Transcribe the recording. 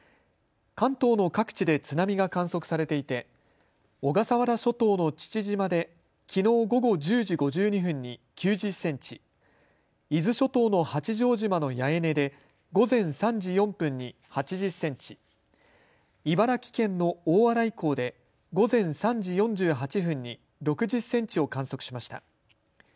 関東の各地で津波が観測されていて、小笠原諸島の父島できのう午後１０時５２分に９０センチ、伊豆諸島の八丈島の八重根で午前３時４分に８０センチ、茨城県の大洗港で午前３時４８分に６０センチを観測しました。